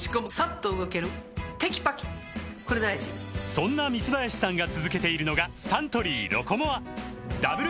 そんな三林さんが続けているのがサントリー「ロコモア」ダブル